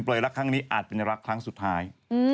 รักครั้งนี้อาจเป็นรักครั้งสุดท้าย